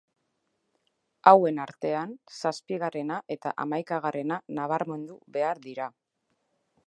Hauen artean, zazpigarrena eta hamaikagarrena nabarmendu behar dira.